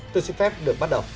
tôi xin phép được bắt đầu